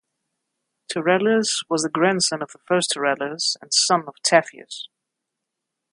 Pterelaus was the grandson of the first Pterelaus, and son of Taphius.